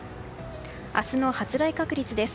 明日の発雷確率です。